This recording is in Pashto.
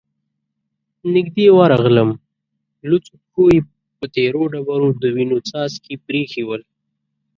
نږدې ورغلم، لوڅو پښو يې په تېرو ډبرو د وينو څاڅکې پرېښي ول،